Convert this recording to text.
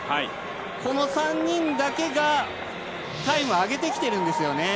この３人だけがタイムを上げてきてるんですよね。